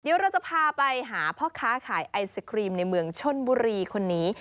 เดี๋ยวเราจะพาไปหาพ่อค้าขายไอศครีมในเมืองชนบุรีคนนี้